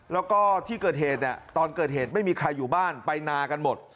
แล้วก็ที่เกิดเหตุเนี่ยตอนเกิดเหตุไม่มีใครอยู่บ้านไปนากันหมด